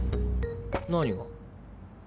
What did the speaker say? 何が？